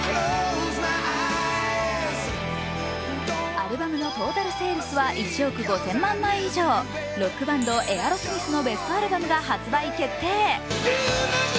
アルバムのトータルセールスは１億５０００万枚以上、ロックバンド、エアロスミスのベストアルバムが発売決定。